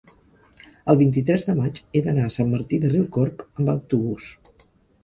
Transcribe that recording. el vint-i-tres de maig he d'anar a Sant Martí de Riucorb amb autobús.